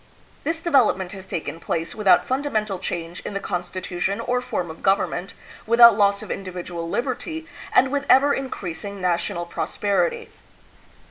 This development has taken place without fundamental change in the constitution or form of government, without loss of individual liberty, and with ever increasing na tional prosperity.